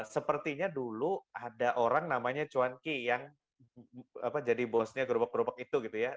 sepertinya dulu ada orang namanya cuanki yang jadi bosnya gerobak gerobak itu gitu ya